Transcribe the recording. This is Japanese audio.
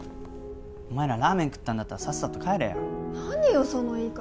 お前らラーメン食ったんだったらさっさと帰れよ何よその言い方